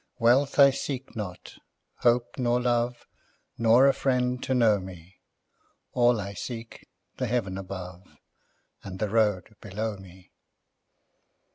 Wealth I seek not, hope nor love, Nor a friend to know me; All I seek, the heaven above And the road below me.